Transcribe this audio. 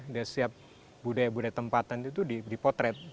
dan setiap budaya budaya tempatan itu dipotret